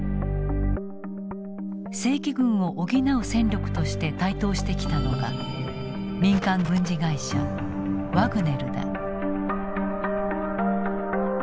正規軍を補う戦力として台頭してきたのが民間軍事会社ワグネルだ。